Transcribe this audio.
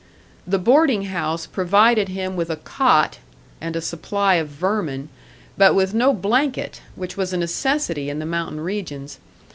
The boarding house provided him with a cot and a supply of vermin, but with no blanket, which was a necessity in the mountain regions.